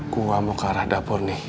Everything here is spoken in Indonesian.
gue gak mau ke arah dapur nih